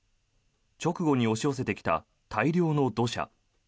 直後に押し寄せてきた大量の土砂。